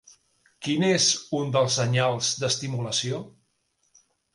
Quin és un dels senyals d'estimulació?